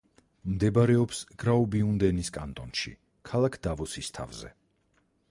მდებარეობს გრაუბიუნდენის კანტონში, ქალაქ დავოსის თავზე.